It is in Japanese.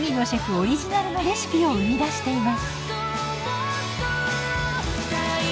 オリジナルのレシピを生み出しています。